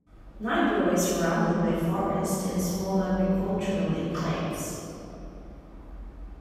Nybro is surrounded by forests and small agricultural enclaves.